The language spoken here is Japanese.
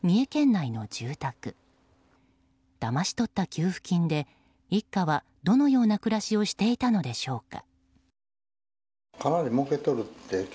だまし取った給付金で一家はどのような暮らしをしていたのでしょうか。